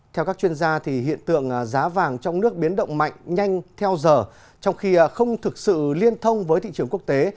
theo các chuyên gia hiện tượng giá vàng trong nước biến động mạnh nhanh theo giờ trong khi không thực sự liên thông với thị trường quốc tế